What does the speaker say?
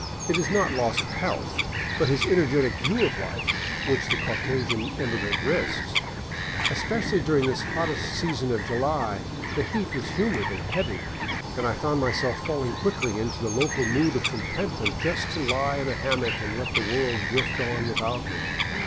It is not loss of health, but his energetic view of life which the Caucasian im migrant risks. Especially during this hottest season of January the heat was humid and heavy, and I found myself falling quickly into the local mood of contentment just to lie in a hammock and let the world drift on without me.